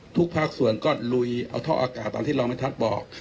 ภาคส่วนก็ลุยเอาท่ออากาศตอนที่เราไม่ทักบอก